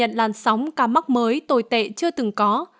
nước ghi nhận làn sóng ca mắc mới tồi tệ chưa từng có